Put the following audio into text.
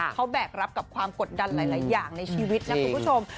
เขาแบกรับกับความกดดันหลายอย่างในชีวิตนะคุณผู้ชม